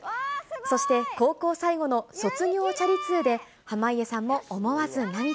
そして高校最後の卒業チャリ通で、濱家さんも思わず涙。